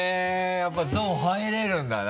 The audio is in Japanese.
やっぱゾーン入れるんだな。